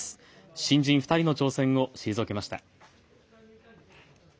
新人２人の挑戦を退けました。